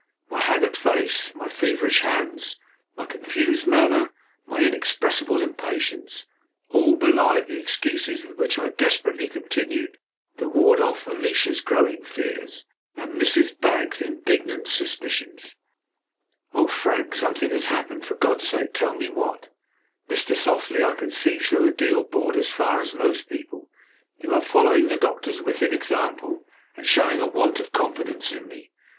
My haggard face, my feverish hands, my confused manner, my inexpressible impatience, all belied the excuses with which I desperately continued to ward off Alicia's growing fears, and Mrs. Baggs's indignant suspicions. "Oh! Frank, something has happened! For God's sake, tell me what!" "Mr. Softly, I can see through a deal board as far as most people. You are following the doctor's wicked example, and showing a want of confidence in me."